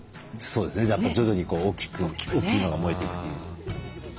そうですね徐々に大きく大きいのが燃えていくという。